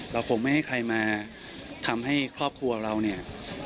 เราคงไม่ให้ใครมาทำให้ครอบครัวเราเนี่ย